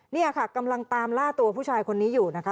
นี่ค่ะกำลังตามล่าตัวผู้ชายคนนี้อยู่นะคะ